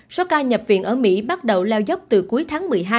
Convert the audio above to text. số ca nhập viện ở mỹ bắt đầu lao dốc từ cuối tháng một mươi hai